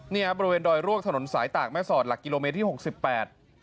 เนี่ยบริเวณดอยรวกถนนสายตากแม่สอดหลักกิโลเมตรที่หกสิบแปด